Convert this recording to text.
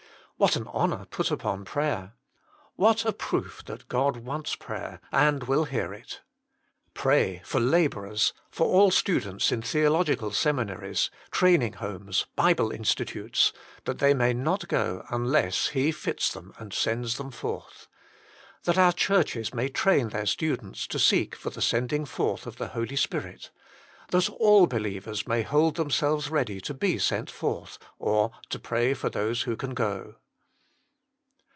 What an honour put upon prayer. What a proof that God wants prayer and will hear it. Pray for labourers, for all students in theological seminaries, training homes, Bible institutes, that they may not go, unless He fits them and sends them forth ; that our churches may train their students to seek for the sending forth of the Holy Spirit ; that all believers may hold themselves ready to be sent forth, or to pray for those who cau go.